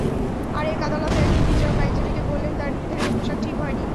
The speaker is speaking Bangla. আরেক আদালতে একজন বিচারক আইনজীবীকে বললেন, তাঁর নির্ধারিত পোশাক ঠিক হয়নি।